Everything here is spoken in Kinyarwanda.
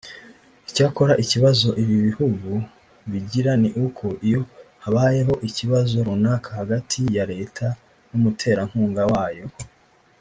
Icyakora ikibazo ibi bihugu bigira ni uko iyo habayeho ikibazo runaka hagati ya leta n’umuterankunga wayo